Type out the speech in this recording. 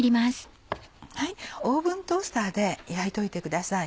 オーブントースターで焼いといてください。